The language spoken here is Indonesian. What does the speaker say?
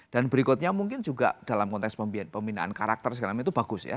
dan berikutnya mungkin juga dalam konteks pembinaan karakter segalanya itu bagus ya